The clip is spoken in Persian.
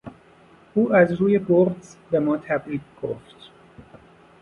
او از روی بغض به ما تبریک گفت.